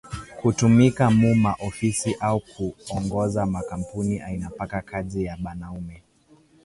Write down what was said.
Ku tumika mu ma ofisi ao ku ongoza ma kampuni aina paka kaji ya banaume